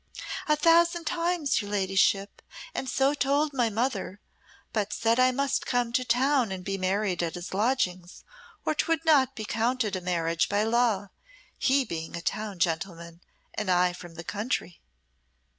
"A thousand times, your ladyship, and so told my mother, but said I must come to town and be married at his lodgings, or 'twould not be counted a marriage by law, he being a town gentleman, and I from the country."